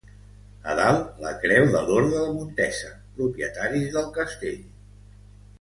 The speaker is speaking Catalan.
A dalt, la creu de l'orde de Montesa, propietaris del castell.